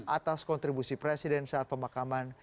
atas kontribusi presiden saat pemakaman